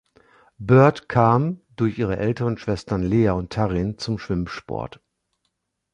Beard kam durch ihre älteren Schwestern Leah und Taryn zum Schwimmsport.